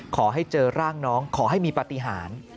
ขอให้เจอร่างน้องขอให้มีปฏิหาร